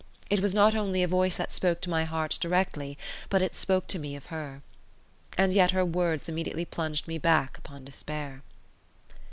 It was not only a voice that spoke to my heart directly; but it spoke to me of her. And yet her words immediately plunged me back upon despair.